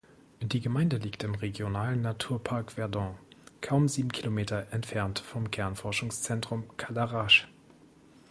Die Gemeinde liegt im Regionalen Naturpark Verdon, kaum sieben Kilometer entfernt vom Kernforschungszentrum Cadarache.